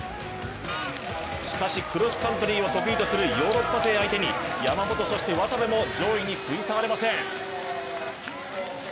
しかしクロスカントリーを得意とするヨーロッパ勢を相手に山本、そして渡部も上位に食い下がれません。